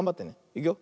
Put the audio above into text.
いくよ。